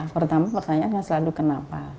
pertama pertanyaannya selalu kenapa